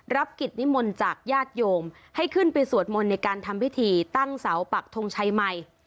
รับกิจนิมนต์จากญาติโยมให้ขึ้นไปสวดมนต์ในการทำพิธีตั้งเสาปักทงชัยใหม่